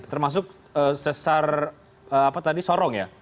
termasuk sesar sorong ya